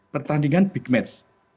pertandingan big match